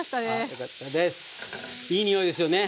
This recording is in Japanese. いいにおいですよね！